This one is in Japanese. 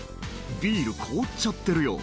ビール凍っちゃってるよ」